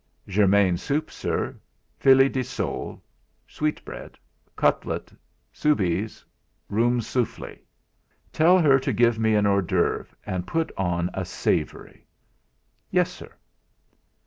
"Germane soup, sir; filly de sole; sweetbread; cutlet soubees, rum souffly." "Tell her to give me a hors d'oeuvre, and put on a savoury." "Yes, sir."